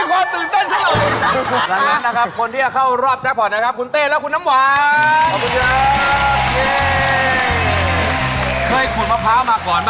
ของวุฒิเจ๊เป็นยังไงบ้างนะครับ